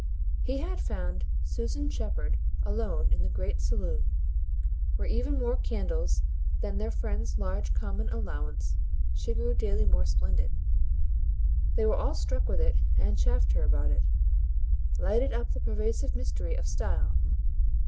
He had found Susan Shepherd alone in the great saloon, where even more candles than their friend's large common allowance she grew daily more splendid; they were all struck with it and chaffed her about it lighted up the pervasive mystery of Style.